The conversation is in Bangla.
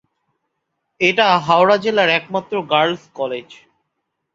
এটা হাওড়া জেলার একমাত্র গার্লস' কলেজ।